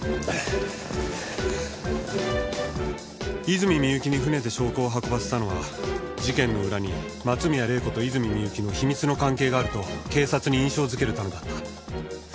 泉美由紀に船で証拠を運ばせたのは事件の裏に松宮玲子と泉美由紀の秘密の関係があると警察に印象づけるためだった。